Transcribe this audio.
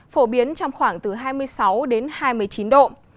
phổ biến trong khoảng từ hai mươi sáu đến hai mươi chín độ